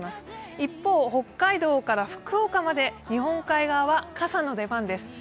一方、北海道から福岡まで日本海側は傘の出番です。